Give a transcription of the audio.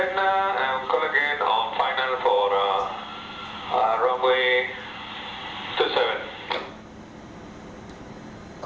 dan semoga ini bisa membuatnya lebih mudah